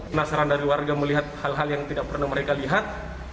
penasaran dari warga melihat hal hal yang tidak pernah mereka lihat